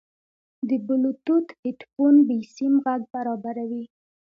د بلوتوث هیډفون بېسیم غږ برابروي.